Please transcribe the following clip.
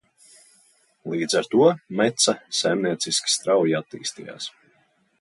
Līdz ar to Meca saimnieciski strauji attīstījās.